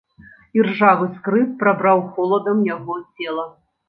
Іржавы скрып прабраў холадам яго цела.